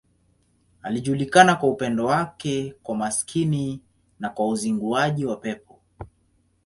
Alijulikana kwa upendo wake kwa maskini na kwa uzinguaji wa pepo.